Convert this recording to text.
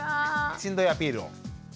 しんどいアピールを？